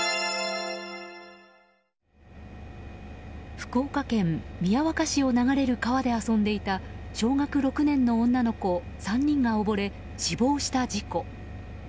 福岡県宮若市を流れる川で遊んでいた小学６年の女の子３人が溺れ死亡した事故。